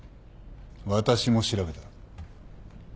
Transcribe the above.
私も調べた。